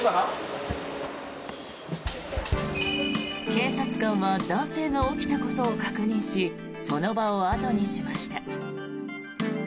警察官は男性が起きたことを確認しその場を後にしました。